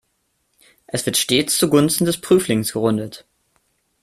Es wird stets zu Gunsten des Prüflings gerundet.